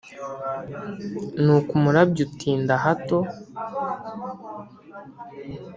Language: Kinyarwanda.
ni ko umurabyo utinda hato :